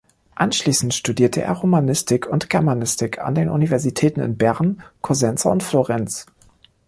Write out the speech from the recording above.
Anschließend studierte er Romanistik und Germanistik an den Universitäten in Bern, Cosenza und Florenz.